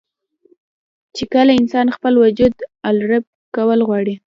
چې کله انسان خپل وجود الرټ کول غواړي